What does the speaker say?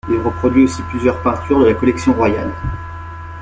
Il reproduit aussi plusieurs peintures de la collection royale.